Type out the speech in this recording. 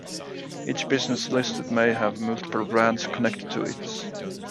Each business listed may have multiple brands connected to it.